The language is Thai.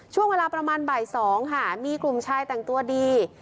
ช่วงเวลาประมาณบ่าย๒ค่ะมีกลุ่มชายแต่งตัวดี